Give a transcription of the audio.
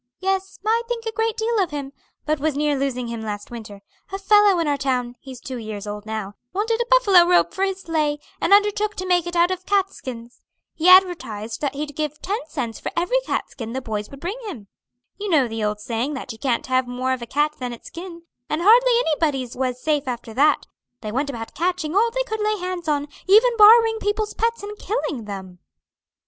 Yes, I think a great deal of him, but was near losing him last winter. A fellow in our town he's two years old now wanted a buffalo robe for his sleigh, and undertook to make it out of cat skins. He advertised that he'd give ten cents for every cat skin the boys would bring him. You know the old saying that you can't have more of a cat than its skin, and hardly anybody's was safe after that; they went about catching all they could lay hands on, even borrowing people's pets and killing them."